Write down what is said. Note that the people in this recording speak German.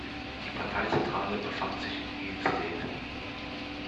Die Parteizentrale befand sich in Heemstede.